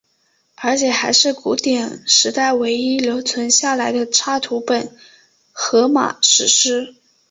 而且还是古典时代唯一留存下来的插图本荷马史诗。